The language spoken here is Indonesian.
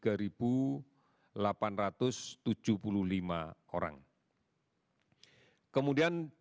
kemudian kabupaten kota jawa tengah